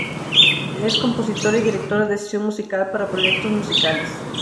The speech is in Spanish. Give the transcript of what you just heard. Es Compositora y directora de sesión musical para proyectos musicales.